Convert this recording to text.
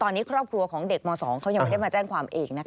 ตอนนี้ครอบครัวของเด็กม๒เขายังไม่ได้มาแจ้งความเองนะคะ